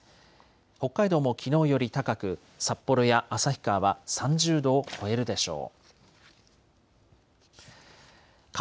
北海道もきのうより高く札幌や旭川は３０度を超えるでしょう。